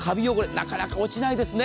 なかなか落ちないですね。